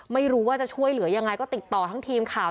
ไม่รู้ว่าจะช่วยเหลือยังไงก็ติดต่อทั้งทีมข่าว